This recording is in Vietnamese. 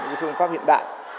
những phương pháp hiện đại